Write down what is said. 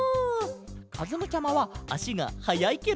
かずむちゃまはあしがはやいケロ？